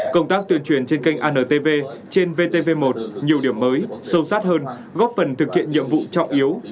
công tác tuyên truyền trên kênh antv trên vtv một nhiều điểm mới sâu sát hơn góp phần thực hiện nhiệm vụ trọng yếu